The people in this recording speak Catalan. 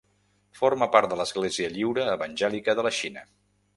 Forma part de l'Església Lliure Evangèlica de la Xina.